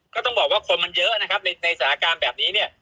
ก็ต้องบอกว่าคนมันเยอะนะครับในสถานการณ์แบบนี้เนี่ย